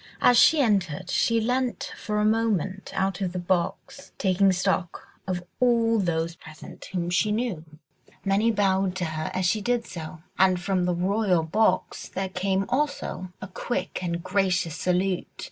As she entered, she leant for a moment out of the box, taking stock of all those present whom she knew. Many bowed to her as she did so, and from the royal box there came also a quick and gracious salute.